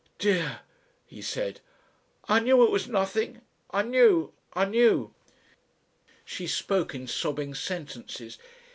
"Dear," he said, "I knew it was nothing. I knew. I knew." She spoke in sobbing sentences.